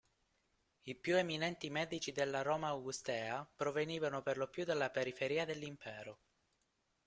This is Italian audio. I più eminenti medici della Roma augustea provenivano per lo più dalla periferia dell'Impero.